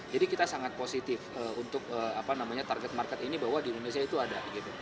jadi kita sangat positif untuk target market ini bahwa di indonesia itu ada